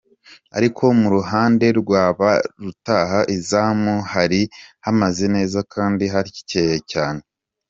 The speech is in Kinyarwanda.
Ariko mu ruhande rwa barutaha izamu hari hameze neza kandi hatyaye cyane.